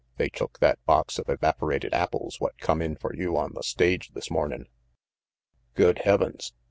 "They took that box of evaporated apples what come in for you on the stage this mornin'." "Good heavens!"